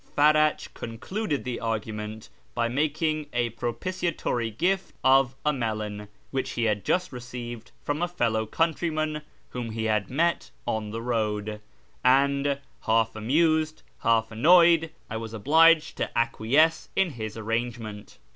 Farach concluded the argument by making me a propitiatory gift of a melon, which he had just received from a fellow countryman whom he had met on the road ; and, half amused, half annoyed, I was obliged to acquiesce in his arrangement.